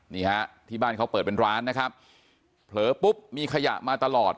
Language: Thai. นี่ฮะที่บ้านเขาเปิดเป็นร้านนะครับเผลอปุ๊บมีขยะมาตลอด